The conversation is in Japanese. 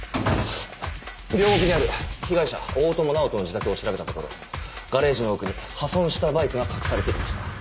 両国にある被害者大友直登の自宅を調べたところガレージの奥に破損したバイクが隠されていました。